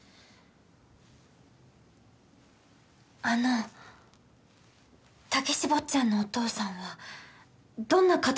あの毅坊ちゃんのお父さんはどんな方だったんですか？